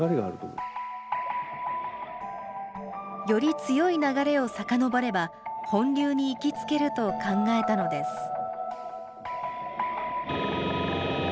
より強い流れをさかのぼれば、本流に行き着けると考えたのです。